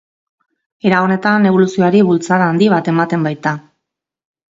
Era honetan eboluzioari bultzada handi bat ematen baita.